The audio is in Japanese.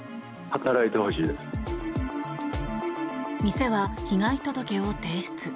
店は被害届を提出。